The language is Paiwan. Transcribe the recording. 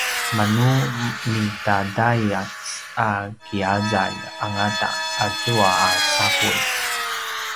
manu midadayac a ki’azalj angata azua a sapuy